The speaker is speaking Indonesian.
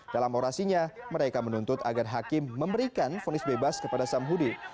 dalam orasinya mereka menuntut agar hakim memberikan fonis bebas kepada samhudi